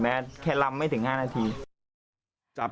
ไม่แค่ไหนเลยเนี่ย